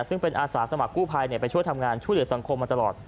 ซึ่งเป็นอาสาสมัครกู้ภัยไปช่วยทำงานช่วยเหลือสังคมมาตลอด